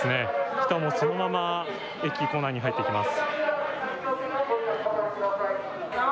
人もそのまま駅構内に入っていきます。